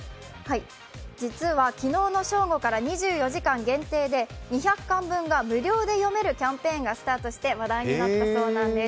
実は昨日の正午から２４時間限定で２００巻分が無料で読めるキャンペーンがスタートして話題になったそうなんです。